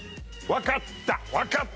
わかった。